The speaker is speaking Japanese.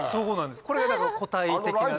これ固体的なね。